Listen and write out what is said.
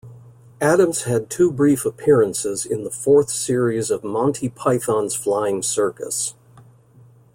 Adams had two brief appearances in the fourth series of "Monty Python's Flying Circus".